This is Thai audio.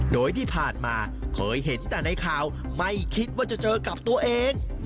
โดยที่ผ่านมาเคยเห็นแต่ในข่าวไม่คิดว่าจะเจอกับตัวเอง